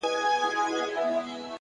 پوهه له لټون سره پیدا کېږي,